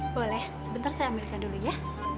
boleh sebentar saya ambilkan dulu ya